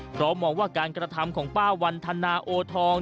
เพราะมองว่าการกระทำของป้าวันธนาโอทอง